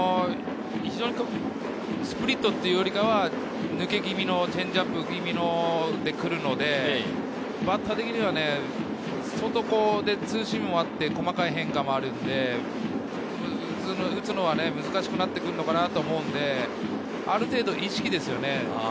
スプリットというよりかは抜け気味のチェンジアップ気味で来るので、バッター的には相当ツーシームもあって細かい変化もあるので、打つのは難しくなってくるのかなと思うので、ある程度意識ですよね。